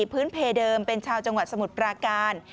พื้นเพเดิมเป็นชาวจังหวัดสมุทรปราการ